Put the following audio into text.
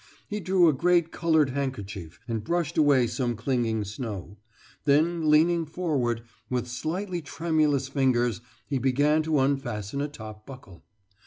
He drew a great coloured handkerchief and brushed away some clinging snow; then leaning forward, with slightly tremulous fingers, he began to unfasten a top buckle.